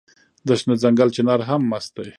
د شنه ځنګل چنار هم مست دی